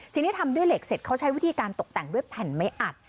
ทีนี้ทำด้วยเหล็กเสร็จเขาใช้วิธีการตกแต่งด้วยแผ่นไม้อัด